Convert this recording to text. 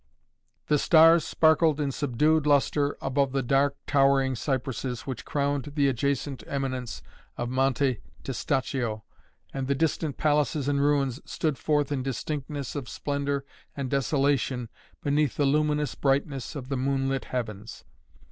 The stars sparkled in subdued lustre above the dark, towering cypresses which crowned the adjacent eminence of Monte Testaccio, and the distant palaces and ruins stood forth in distinctness of splendor and desolation beneath the luminous brightness of the moonlit heavens.